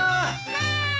・はい。